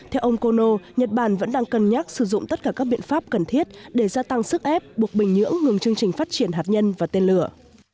theo ông kono nhật bản vẫn đang cân nhắc sử dụng tất cả các biện pháp cần thiết để gia tăng sức ép buộc bình nhưỡng ngừng chương trình phát triển hạt nhân và tên lửa